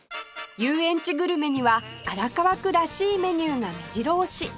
遊園地グルメには荒川区らしいメニューがめじろ押し